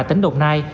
tỉnh đồng nai